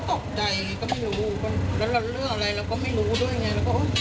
ก็ตกใจก็ไม่รู้แล้วเรื่องอะไรเราก็ไม่รู้ด้วยไง